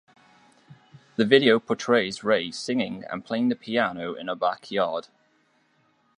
The video portrays Raye singing and playing the piano in her backyard.